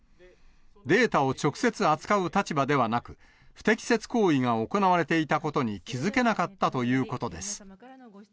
データを直接扱う立場ではなく、不適切行為が行われていたことに気付けなかったということです。